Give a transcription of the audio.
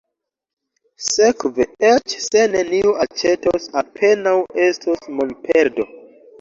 Sekve, eĉ se neniu aĉetos, apenaŭ estos monperdo.